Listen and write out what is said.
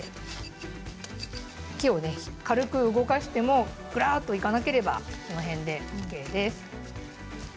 木を軽く動かしてもくらっといかなければこの辺でＯＫです。